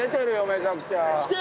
めちゃくちゃ。